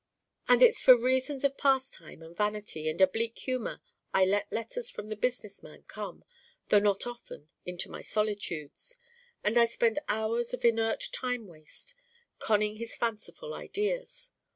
And it's for reasons of pastime and vanity and oblique humor I let letters from the business man come, though not often, into my solitudes. And I spend hours of inert time waste conning his fanciful ideas.